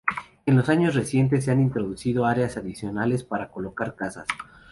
En años recientes se han introducido áreas adicionales para colocar casas.